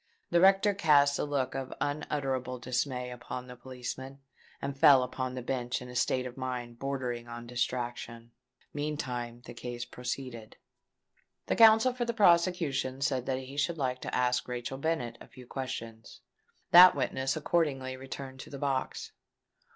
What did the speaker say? The rector cast a look of unutterable dismay upon the policeman, and fell upon the bench in a state of mind bordering on distraction. Meantime the case proceeded. The counsel for the prosecution said that he should like to ask Rachel Bennet a few questions. That witness accordingly returned to the box.